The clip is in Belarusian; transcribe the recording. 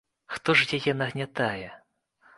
Хто ж яе нагнятае?